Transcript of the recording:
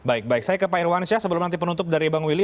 baik baik saya ke pak irwansyah sebelum nanti penutup dari bang will